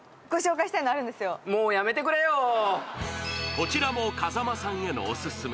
こちらも風間さんへのオススメ。